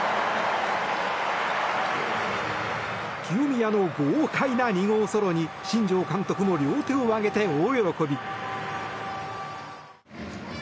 清宮の豪快な２号ソロに新庄監督も両手を上げて大喜び。